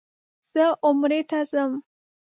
زه عمرې ته ځم.